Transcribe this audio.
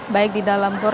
baik di dalam gor